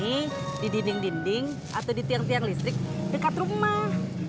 ini di dinding dinding atau di tiang tiang listrik dekat rumah